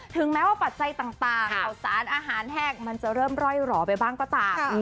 ถึงแม้ว่าปัจจัยต่างข่าวสารอาหารแห้งมันจะเริ่มร่อยหล่อไปบ้างก็ตาม